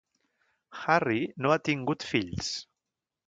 Harry no ha tingut fills.